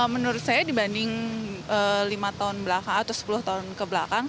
menurut saya dibanding lima tahun belakang atau sepuluh tahun kebelakang